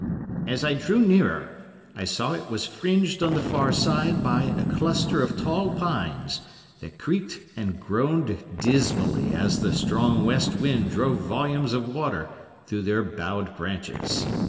As I drew nearer, I saw it was fringed on the far side by a cluster of tall pines, that creaked and groaned dismally as the strong west wind drove volumes of water through their bowed branches.